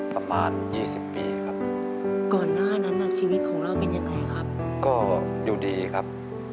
ประมาณ๒๐ปีครับ